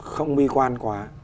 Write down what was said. không bi quan quá